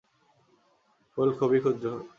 ফুল খুবই ক্ষুদ্র।